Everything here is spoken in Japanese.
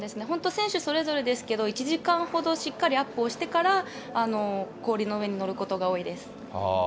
本当、選手それぞれですけれども、１時間ほどしっかりアップをしてから、氷の上に乗ることが多いです。